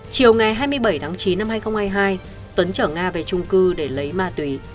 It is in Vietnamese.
chiều ngày hai mươi bảy tháng chín năm hai nghìn hai mươi hai tuấn trở nga về trung cư để lấy ma túy